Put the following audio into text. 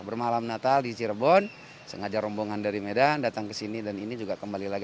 bermalam natal di cirebon sengaja rombongan dari medan datang ke sini dan ini juga kembali lagi